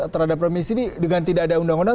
terhadap remisi ini dengan tidak ada undang undang